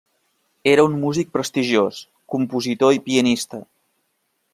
Era un músic prestigiós, compositor i pianista.